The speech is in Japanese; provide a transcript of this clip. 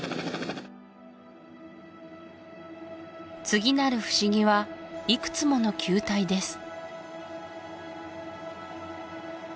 次なる不思議はいくつもの球体です